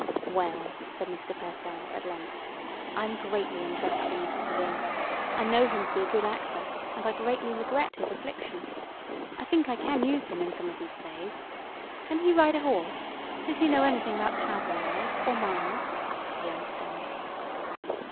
"Well," Mr. Pertell said at length, "I am greatly interested in Mr. DeVere. I know him to be a good actor, and I greatly regret his affliction. I think I can use him in some of these plays. Can he ride a horse does he know anything about cowboy life, or miners?" he asked Alice.